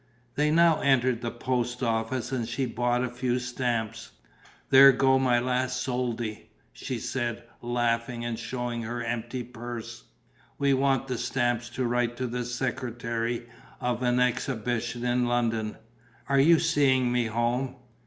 They now entered the post office and she bought a few stamps: "There go my last soldi," she said, laughing and showing her empty purse. "We wanted the stamps to write to the secretary of an exhibition in London. Are you seeing me home?"